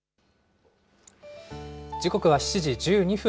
時刻は７時１２分。